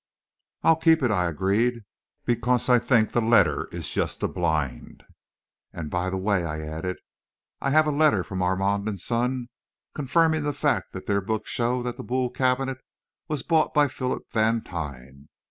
"I'll keep it," I agreed, "because I think the letter is just a blind. And, by the way," I added, "I have a letter from Armand & Son confirming the fact that their books show that the Boule cabinet was bought by Philip Vantine.